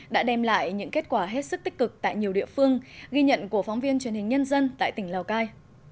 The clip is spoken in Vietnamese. đã đem lại những kết quả hết sức tích cực tại nhiều địa phương ghi nhận của phóng viên truyền hình nhân dân tại tỉnh lào cai